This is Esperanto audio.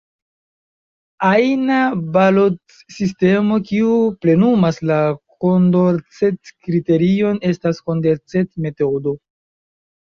Ajna balotsistemo kiu plenumas la Kondorcet-kriterion estas Kondorcet-metodo.